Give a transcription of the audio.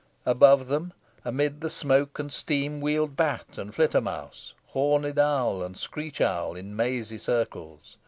Above them, amid the smoke and steam, wheeled bat and flitter mouse, horned owl and screech owl, in mazy circles.